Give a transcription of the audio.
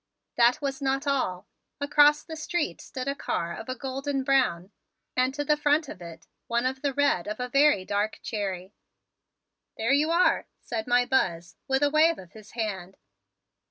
That was not all! Across the street stood also a car of a golden brown and to the front of it one of the red of a very dark cherry. "There you are," said my Buzz with a wave of his hand.